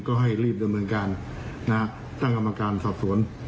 ก็ให้รีบด้วยเมืองการนะตั้งคณะกรรมการสอบสวน